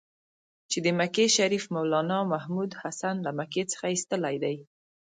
چې د مکې شریف مولنا محمودحسن له مکې څخه ایستلی دی.